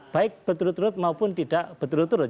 baik berturut turut maupun tidak berturut turut